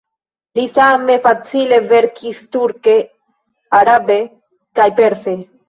Li same facile verkis turke, arabe kaj perse.